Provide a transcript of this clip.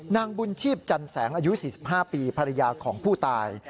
นางบุญชีพจันแสงอายุ๔๕ปีภรรยาของผู้ตาย